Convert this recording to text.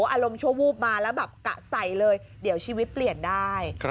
อารมณ์ชั่ววูบมาแล้วแบบกะใส่เลยเดี๋ยวชีวิตเปลี่ยนได้